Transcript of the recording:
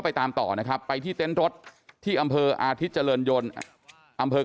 ตามต่อนะครับไปที่เต็นต์รถที่อำเภออาทิตย์เจริญยนต์อำเภอ